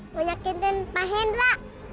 menyakitin pak hendra